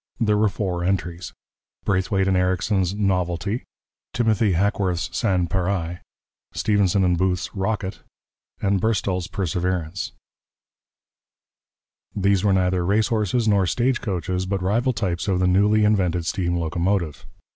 There were four entries: Braithwaite and Ericsson's Novelty. Timothy Hackworth's Sans pareil. Stephenson and Booth's Rocket. Burstall's Perseverance. These were neither race horses nor stagecoaches, but rival types of the newly invented steam locomotive.